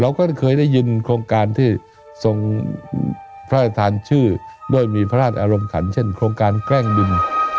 ก็ได้เคยได้ยินโครงการที่ทรงพระราชทานชื่อด้วยมีพระราชอารมณ์ขันเช่นโครงการแกล้งดิน